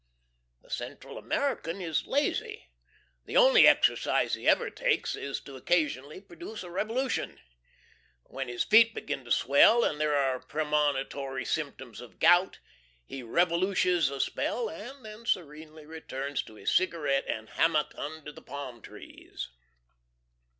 .... The Central American is lazy. The only exercise he ever takes is to occasionally produce a Revolution. When his feet begin to swell and there are premonitory symptoms of gout, he "revolushes" a spell, and then serenely returns to his cigarette and hammock under the palm trees.